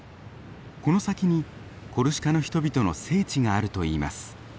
この先にコルシカの人々の聖地があるといいます。